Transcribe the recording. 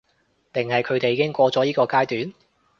定係佢哋已經過咗呢個階段？